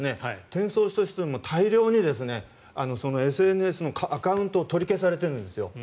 転送した人、大量にＳＮＳのアカウントを取り消されてるんですよ。